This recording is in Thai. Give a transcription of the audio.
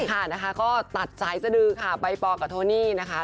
ค่ะนะคะก็ตัดสายสดือค่ะใบปอลกับโทนี่นะคะ